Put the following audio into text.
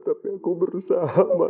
tapi aku berusaha ma